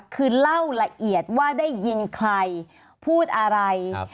คือเล่าละเอียดว่าได้ยินใครพูดอะไร